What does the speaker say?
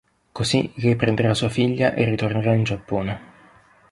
Così lei prenderà sua figlia e ritornerà in Giappone.